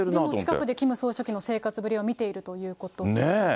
近くでキム総書記の生活ぶりを見ているということですね。